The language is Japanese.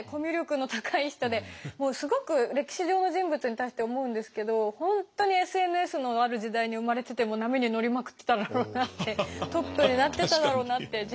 すごく歴史上の人物に対して思うんですけど本当にＳＮＳのある時代に生まれてても波に乗りまくってただろうなってトップになってただろうなって。